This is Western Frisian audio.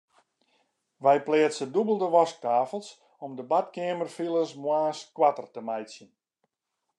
Wy pleatse dûbelde wasktafels om de badkeamerfiles moarns koarter te meitsjen.